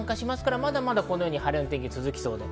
まだまだ晴れの天気が続きます。